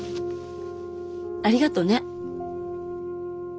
ありがとね。